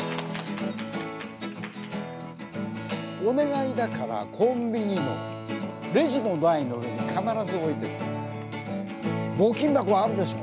お願いだからコンビニのレジの台の上に必ず置いてる募金箱あるでしょ？